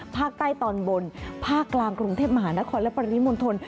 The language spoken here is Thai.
ภาคใต้ตอนบนภาคกลางกรุงเทพมหานครและปริมณฑล